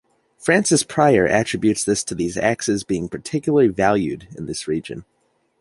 Francis Pryor attributes this to these axes being particularly valued in this region.